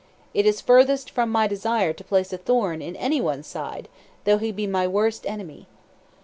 It is furthest from my desire to place a thorn in any one's side, though he be my worst enemy."